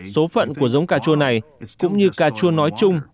số phận của giống cà chua này cũng như cà chua nói chung